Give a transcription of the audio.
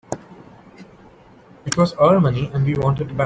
It was our money and we want it back.